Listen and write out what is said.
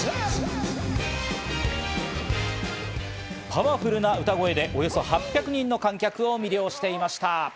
パワフルな歌声でおよそ８００人の観客を魅了していました。